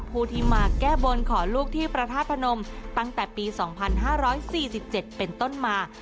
ผู้ที่มาแก้บนขอลูกที่พระธาตุพนมตั้งแต่ปี๒๕๔๗เป็นต้นมา